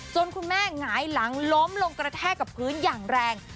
คุณแม่หงายหลังล้มลงกระแทกกับพื้นอย่างแรง